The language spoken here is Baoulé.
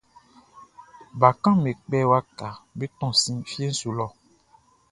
Bakanʼm be kpɛ waka be tɔn si fie su lɔ.